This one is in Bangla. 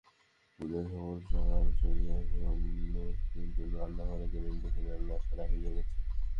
পূজা সকাল-সকাল সারিয়া ক্ষেমংকরী যখন রান্নাঘরে গেলেন, দেখিলেন, রান্না সারা হইয়া গেছে।